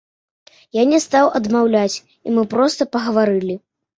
Я не стаў адмаўляць, і мы проста пагаварылі.